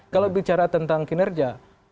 kalau bicara tentang kinerja